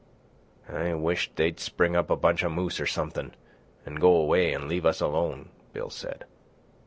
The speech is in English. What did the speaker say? "I wisht they'd spring up a bunch of moose or something, an' go away an' leave us alone," Bill said.